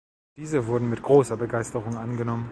Diese wurden mit großer Begeisterung angenommen.